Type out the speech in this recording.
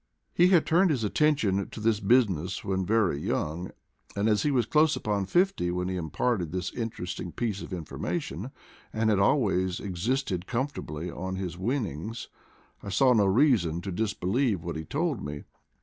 He had turned his attention to this business when very young, and as he was close upon fifty when he imparted this interesting piece of information, and had always existed comfortably on his win nings, I saw no reason to disbelieve what he told me.